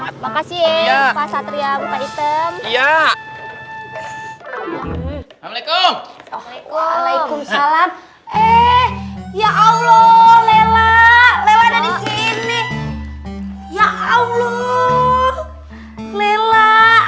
ya allah lela lela ada di sini ya allah lela iya apa datang kemari kagak ngomong ngomong sih lela